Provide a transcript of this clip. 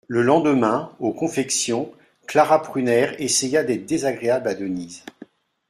Le lendemain, aux confections, Clara Prunaire essaya d'être désagréable à Denise.